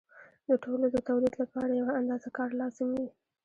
د ټولو د تولید لپاره یوه اندازه کار لازم وي